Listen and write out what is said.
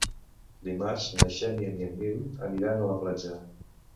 Dimarts na Xènia i en Nil aniran a la platja.